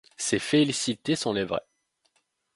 Ces félicités sont les vraies.